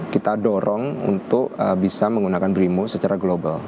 kita dorong untuk bisa menggunakan brimo secara global